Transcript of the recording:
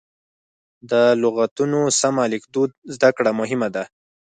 د لغتونو سمه لیکدود زده کړه مهمه ده.